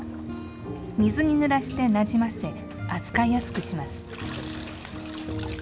水に濡らしてなじませ扱いやすくします。